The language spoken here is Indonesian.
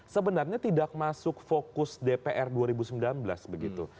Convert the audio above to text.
sebenarnya tidak masuk fokus dpr dua ribu sembilan belas begitu